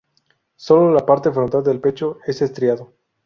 Sólo la parte frontal del pecho es estriado.